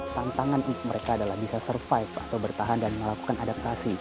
tantangan mereka adalah bisa survive atau bertahan dan melakukan adaptasi